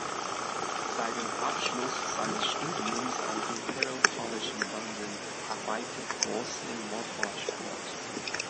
Seit dem Abschluss seines Studiums am Imperial College in London arbeitet Goss im Motorsport.